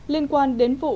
liên quan đến vụ